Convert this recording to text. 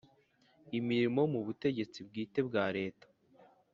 imirimo mu Butegetsi Bwite bwa Leta